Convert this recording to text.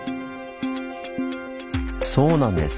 そうなんです。